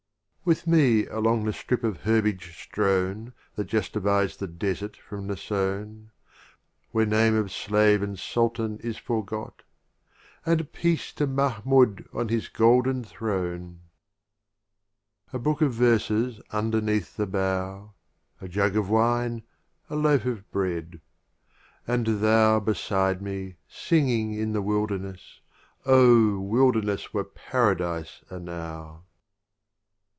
XI. With me along the strip of Herb age strown That just divides the desert from the sown, Where name of Slave and Sultan is forgot — And Peace to Mahmiid on his golden Throne! 6 XII. A Book of Verses underneath the RubaUyat B ° U g h > r Khayy7m A Jug of Wine, a Loaf of Bread — and Thou Beside me singing in the Wilder ness — Oh, Wilderness were Paradise enow